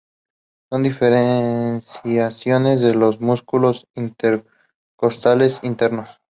Son diferenciaciones de los músculos intercostales internos.